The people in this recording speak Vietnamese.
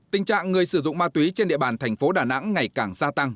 tình trạng người sử dụng ma túy trên địa bàn thành phố đà nẵng ngày càng gia tăng